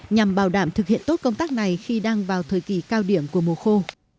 nhằm bảo đảm thực hiện tốt công tác này khi đang vào thời kỳ cao điểm của mùa khô